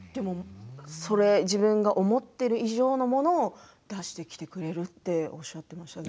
自分が思っている以上のものを出してきてくれるとおっしゃっていましたね。